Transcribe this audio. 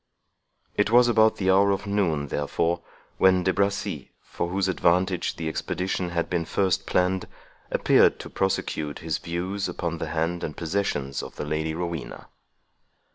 It was about the hour of noon, therefore, when De Bracy, for whose advantage the expedition had been first planned, appeared to prosecute his views upon the hand and possessions of the Lady Rowena.